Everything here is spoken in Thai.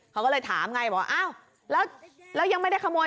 เขาก็เลยถามไงบอกอ้าวแล้วยังไม่ได้ขโมย